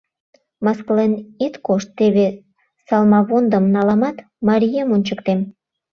Мыскылен ит кошт, теве салмавондым наламат, марием ончыктем.